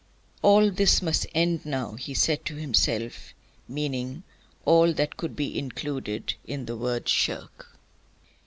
"All this must end now!" he said to himself, meaning all that could be included in the word "shirk."